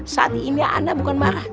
saat ini ya anak bukan marah